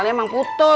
saya mau pergi